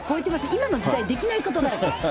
今の時代できないことだらけ。